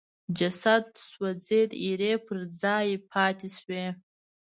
جسد سوځېد ایرې پر ځای پاتې شوې.